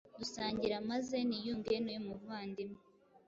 dusangira maze niyunge n’uyu muvandiwe